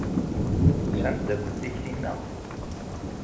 D tameddakelt-ik tinna?